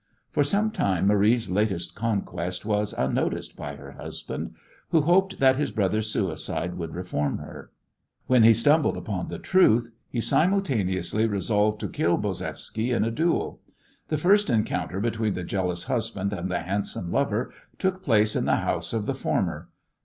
For some time Marie's latest conquest was unnoticed by her husband, who hoped that his brother's suicide would reform her. When he stumbled upon the truth he simultaneously resolved to kill Bozevsky in a duel. The first encounter between the jealous husband and the handsome lover took place in the house of the former.